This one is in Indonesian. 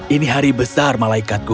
ini hari besar malaikatku